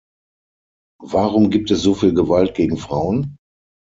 Warum gibt es soviel Gewalt gegen Frauen?